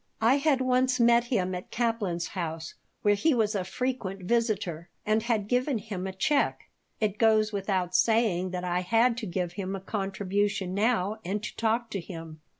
I had once met him at Kaplan's house, where he was a frequent visitor, and had given him a check. It goes without saying that I had to give him a contribution now and to talk to him.